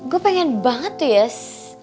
gue pengen banget tuh yes